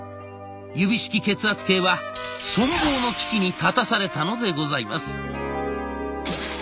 指式血圧計は存亡の危機に立たされたのでございます。